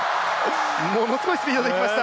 ものすごいスピードでいきました。